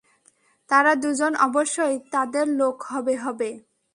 তারা দুজন অবশ্যই তাদের লোক হবে হবে।